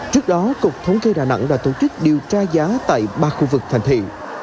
trước đó cục thống kê đà nẵng đã tổ chức điều tra giá tại ba khu vực thành thị